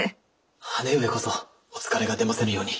姉上こそお疲れが出ませぬように。